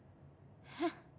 えっ？